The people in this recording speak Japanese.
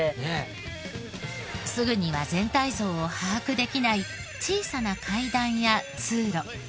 すぐには全体像を把握できない小さな階段や通路。